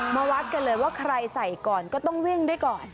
มาวัดกันเลยว่าใครใส่ก่อนก็ต้องวิ่งได้ก่อน